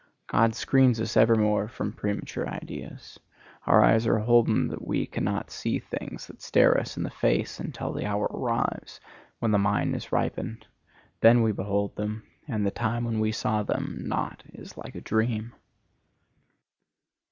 God screens us evermore from premature ideas. Our eyes are holden that we cannot see things that stare us in the face, until the hour arrives when the mind is ripened; then we behold them, and the time when we saw them not is like a dream.